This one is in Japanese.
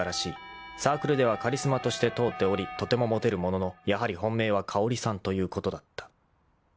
［サークルではカリスマとして通っておりとてもモテるもののやはり本命は香織さんということだった］